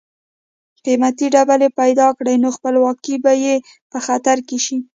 قیمتي ډبرې پیدا کړي نو خپلواکي به یې په خطر کې شي.